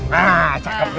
nah cakep tuh